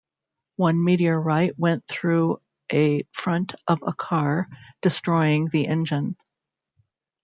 One meteorite went though a front of a car, destroying the engine.